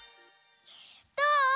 どう？